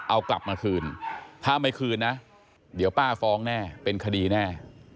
เอากลับมาคืนถ้าไม่คืนนะเดี๋ยวป้าฟ้องแน่เป็นคดีแน่